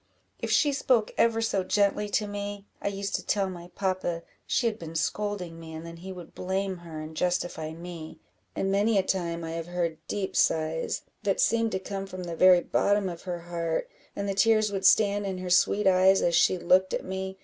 If she spoke ever so gently to me, I used to tell my papa she had been scolding me, and then he would blame her and justify me; and many a time I have heard deep sighs, that seemed to come from the very bottom of her heart, and the tears would stand in her sweet eyes as she looked at me.